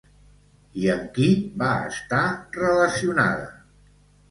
I amb qui va estar relacionada?